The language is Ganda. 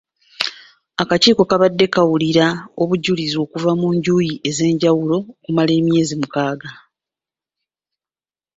Akakiiko kabadde kawulira obujulizi okuva mu njuyi ez’enjawulo okumala emyezi mukaaga.